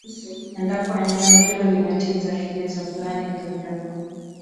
endapo eneo hilo limetiza vigezo fulani vilivyopo